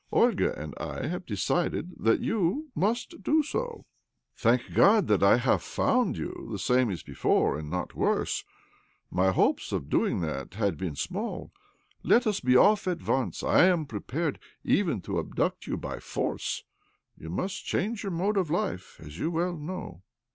Olga and I have decided that you must do so. Thank God that I h9,ve found you the same as OBLOMOV 293 before, and not worse ! My hopes of doing that had been small. Let us be off at once. I am prepared even to abduct you by force. You mast change your mode of life, as you well know."